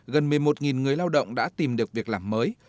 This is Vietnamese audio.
gần một mươi một người lao động đã tìm được việc làm mới